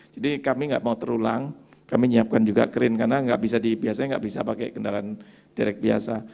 jadi kami enggak mau terulang kami siapkan juga crane karena biasanya enggak bisa pakai kendaraan direct biasa